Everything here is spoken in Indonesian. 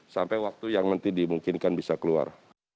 sampai waktu yang nanti dimungkinkan bisa keluar